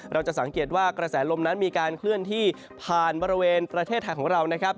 เราจะสังเกตว่ากระแสลมนั้นมีการเคลื่อนที่ผ่านบริเวณประเทศไทยของเรานะครับ